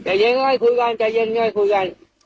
ใจเย็นไงคุยกันใจเย็นไงคุยกัน